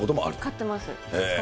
買ってます。